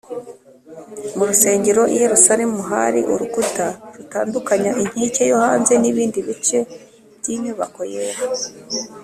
Mu rusengero i Yerusalemu, hari urukuta rutandukanya inkike yo hanze n’ibindi bice by’inyubako yera